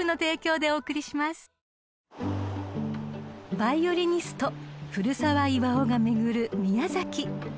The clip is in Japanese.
［ヴァイオリニスト古澤巖が巡る宮崎］